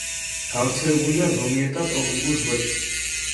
გავრცელებულია ზომიერ და ტროპიკულ ზღვებში.